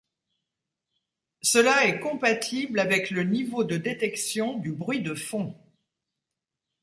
Cela est compatible avec le niveau de détection du bruit de fond.